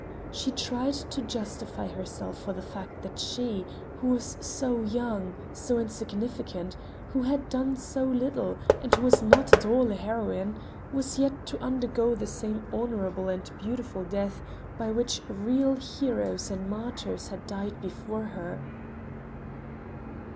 She tried to justify herself for the fact that she, who was so young, so insignificant, who had done so little, and who was not at all a heroine, was yet to undergo the same honorable and beautiful death by which real heroes and martyrs had died before her.